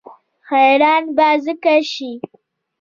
حیران به ځکه شي.